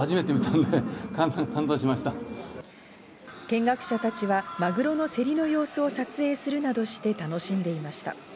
見学者たちはマグロの競りの様子を撮影するなどして楽しんでいました。